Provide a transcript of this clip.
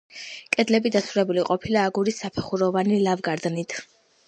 კედლები დასრულებული ყოფილა აგურის საფეხუროვანი ლავგარდნით.